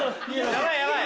ヤバいヤバい！